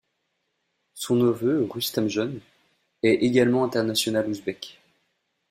Son neveu Rustamjon est également international ouzbek.